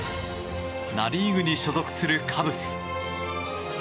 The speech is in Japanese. ナ・リーグに所属するカブス。